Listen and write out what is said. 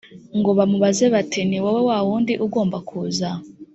ngo bamubaze bati ni wowe wa wundi ugomba kuza